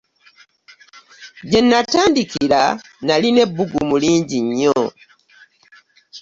Gye natandikira nalina ebbugumu lingi nnyo.